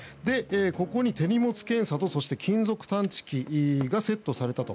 ここに手荷物検査と金属探知機がセットされたと。